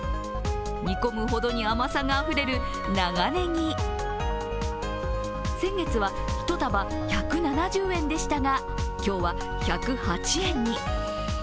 煮込むほどに甘さがあふれる長ねぎ先月は１束１７０円でしたが今日は１０８円に。